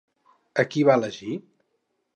A qui va elegir?